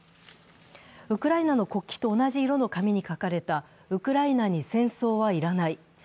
ウクライナの国旗と同じ色の紙に書かれた「ウクライナに戦争は要らない」。